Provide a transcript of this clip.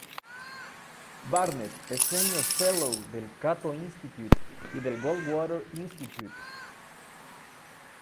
Barnett es Senior Fellow del Cato Institute y del Goldwater Institute.